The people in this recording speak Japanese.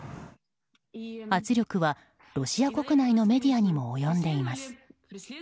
圧力はロシア国内のメディアにも及んでいます。